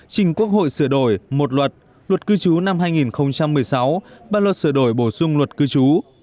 trình quốc hội sửa đổi một luật luật cư trú năm hai nghìn một mươi sáu ba luật sửa đổi bổ sung luật cư trú